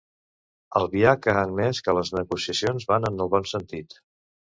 Albiach ha admès que les negociacions van en el bon sentit.